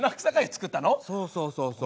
そうそうそうそう。